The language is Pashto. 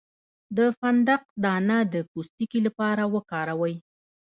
د فندق دانه د پوستکي لپاره وکاروئ